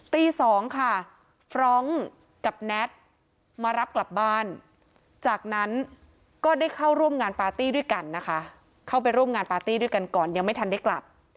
ตี๒ค่ะฟรองก์กับแน็ตมารับกลับบ้านจากนั้นก็ได้เข้าร่วมงานปาร์ตี้ด้วยกันนะคะเข้าไปร่วมงานปาร์ตี้ด้วยกันก่อนยังไม่ทันได้กลับ